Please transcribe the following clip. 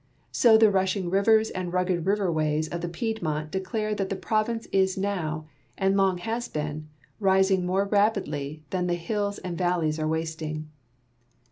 So the rushing rivers and rugged riverways of the Piedmont declare that the province is now, and long has been, rising more rapidly than the hills and valleys are wasting.